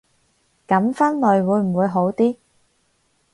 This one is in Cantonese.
噉分類會唔會好啲